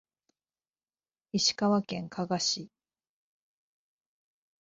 石川県加賀市